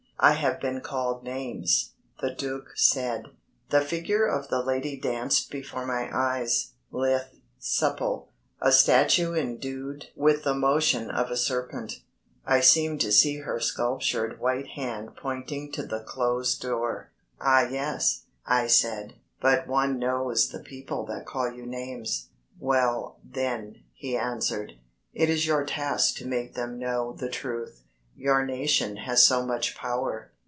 I have been called names," the Duc said. The figure of the lady danced before my eyes, lithe, supple a statue endued with the motion of a serpent. I seemed to see her sculptured white hand pointing to the closed door. "Ah, yes," I said, "but one knows the people that call you names." "Well, then," he answered, "it is your task to make them know the truth. Your nation has so much power.